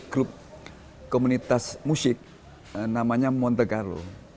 grup komunitas musik namanya monte carlo